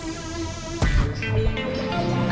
kalian pulangnya mau dibawain apa